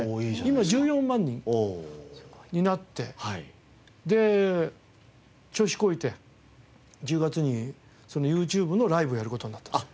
今１４万人になってで調子こいて１０月にＹｏｕＴｕｂｅのライブをやる事になったんですよ。